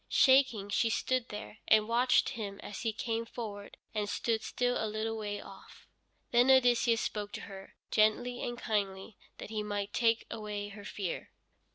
Shaking she stood there, and watched him as he came forward, and stood still a little way off. Then Odysseus spoke to her, gently and kindly, that he might take away her fear.